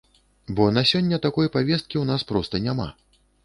Бо на сёння такой павесткі ў нас проста няма.